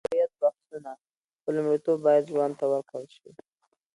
په هویت بحثونه، خو لومړیتوب باید ژوند ته ورکړل شي.